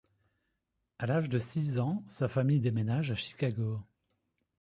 À l'âge de six ans, sa famille déménage à Chicago.